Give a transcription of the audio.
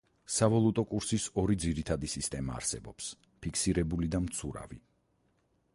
სავალუტო კურსის ორი ძირითადი სისტემა არსებობს, ფიქსირებული და მცურავი.